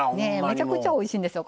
めちゃくちゃおいしいんですよ